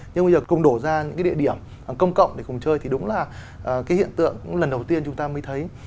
nhưng bây giờ cùng đổ ra những cái địa điểm công cộng để cùng chơi thì đúng là cái hiện tượng lần đầu tiên chúng ta mới thấy